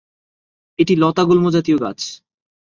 এটি লতা গুল্ম জাতীয় গাছ।